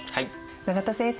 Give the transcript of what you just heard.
永田先生